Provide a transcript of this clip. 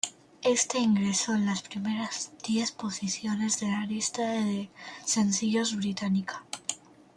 Este ingresó en las primeras diez posiciones de la lista de sencillos británica.